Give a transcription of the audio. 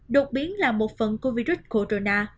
đột biến là một phần của virus corona